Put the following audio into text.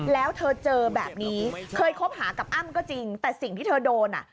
แล้วเธอเจอแบบนี้เคยคบหากับอ้ำก็จริงแต่สิ่งที่เธอโดนอ่ะ